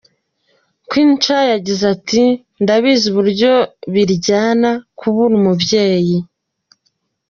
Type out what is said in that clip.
Queen Cha yagize ati: “Ndabizi uburyo biryana kubura umubyeyi.